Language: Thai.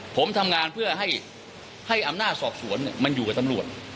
ผมทำงานเพื่อให้อำนาจสอบสวนมันอยู่กับตำรวจ